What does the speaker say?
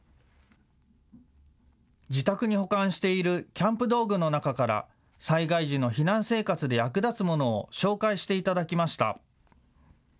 自宅に保管しているキャンプ道具の中から災害時の避難生活で役立つものを紹介していただきました。